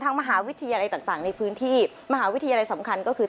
มหาวิทยาลัยต่างในพื้นที่มหาวิทยาลัยสำคัญก็คือ